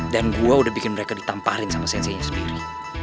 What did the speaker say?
dan gue udah bikin mereka di tamparin sama sensenya sendiri